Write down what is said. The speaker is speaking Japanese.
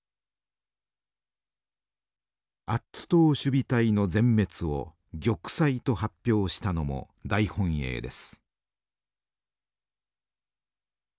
アッツ島守備隊の全滅を玉砕と発表したのも大本営です。